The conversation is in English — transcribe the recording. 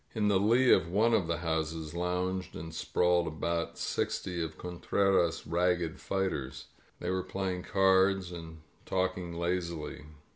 In the lee of one of the houses lounged and sprawled about sixty of Contreras' ragged fighters. They were playing cards and talking lazily.